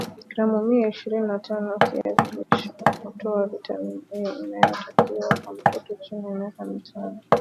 gramu mia ishirini na tano kiazi lishe hutoa vitamini A inayotakiwa kwa mtoto chini ya miaka tano